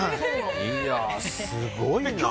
すごいな。